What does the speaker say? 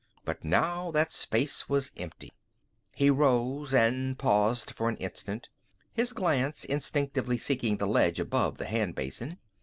But now that space was empty. He rose and paused for an instant, his glance instinctively seeking the ledge above the hand basin.